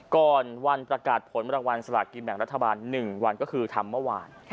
ก่อนวันประกาศผลรางวัลสลากกินแบ่งรัฐบาล๑วันก็คือทำเมื่อวาน